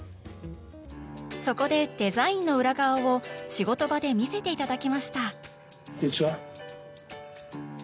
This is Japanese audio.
そこでデザインの裏側を仕事場で見せて頂きましたこんにちは。